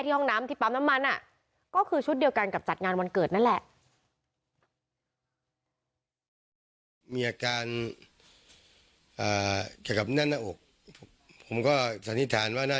ห้องน้ำที่ปั๊มน้ำมันก็คือชุดเดียวกันกับจัดงานวันเกิดนั่นแหละ